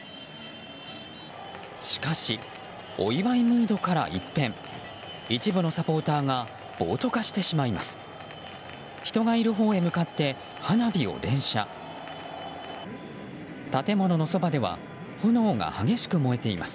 しかし、お祝いムードから一変一部のサポーターが暴徒化してしまいます。